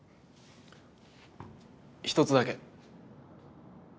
一つだけ。